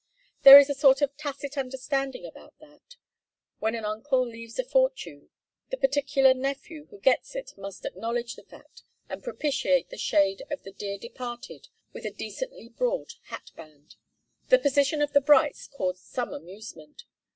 There is a sort of tacit understanding about that. When an uncle leaves a fortune, the particular nephew who gets it must acknowledge the fact and propitiate the shade of the dear departed with a decently broad hatband. The position of the Brights caused some amusement.